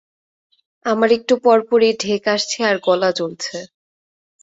আমার একটু পরপরই ঢেক আসছে আর গলা জ্বলছে।